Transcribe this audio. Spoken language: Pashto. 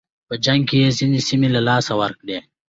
په جنګ کې یې ځینې سیمې له لاسه ورکړې.